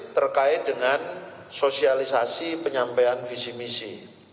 terkait dengan sosialisasi penyampaian visi misi